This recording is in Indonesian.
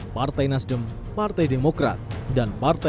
partai nasdem partai demokrat dan partai keadilan sejahtera